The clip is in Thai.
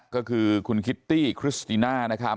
ก็คือคุณคิตตี้คริสติน่านะครับ